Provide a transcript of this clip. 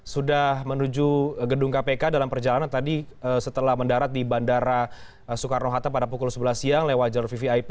sudah menuju gedung kpk dalam perjalanan tadi setelah mendarat di bandara soekarno hatta pada pukul sebelas siang lewat jalur vvip